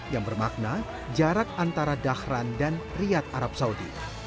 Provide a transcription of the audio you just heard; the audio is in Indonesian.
yang bermakna jarak antara dahran dan riyad arab saudi